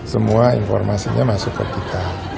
semua informasinya masuk ke kita